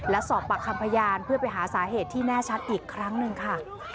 และสอบปากคำพยานเพื่อไปหาสาเหตุที่แน่ชัดอีกครั้งหนึ่งค่ะ